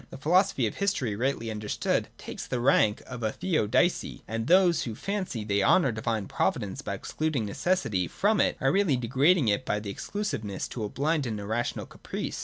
The philosophy of history rightly understood takes the rank of a Theodicee ; and those, who fancy they honour Divine Providence by excluding necessity from it, are really degrading it by this exclusiveness to a blind and irrational caprice.